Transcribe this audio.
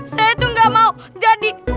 saya tuh gak mau jadi